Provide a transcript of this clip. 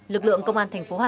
xã đồng tĩnh